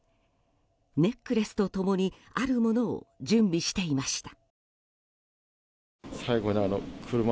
ネックレスと共にあるものを準備していました。